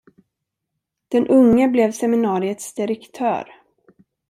Den unge blev seminariets direktör.